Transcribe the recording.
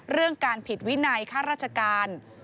เรื่องการผิดวินัยข้าราชการ